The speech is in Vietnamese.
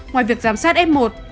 ngoài việc giám sát f một